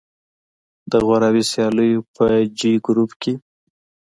د غوراوي سیالیو په جې ګروپ کې